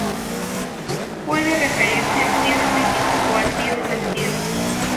Puede referirse al cielo físico o al dios del cielo.